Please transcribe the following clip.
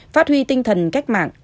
phát huy tinh thần cách mạng